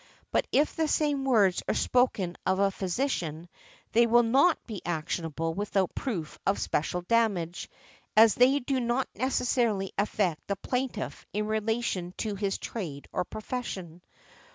But if the same words are spoken of a physician, they will not be actionable without proof of special damage, as they do not necessarily affect the plaintiff in relation to his trade or profession .